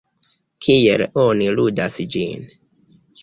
Kiel oni ludas ĝin?